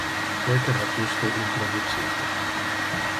Peter ha justo introducite.